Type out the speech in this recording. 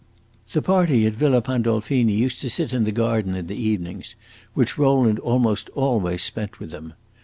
The party at Villa Pandolfini used to sit in the garden in the evenings, which Rowland almost always spent with them.